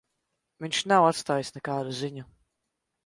Viņš nav atstājis nekādu ziņu.